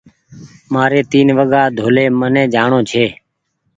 مآري تين وگآ ڊولي مني جآڻو ڇي